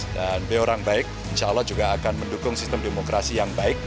dan dia orang baik insya allah juga akan mendukung sistem demokrasi yang baik